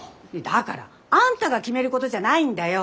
だからあんたが決めることじゃないんだよ。